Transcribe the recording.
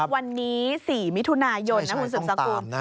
วันนี้๔มิถุนายนนะคุณสืบสกุล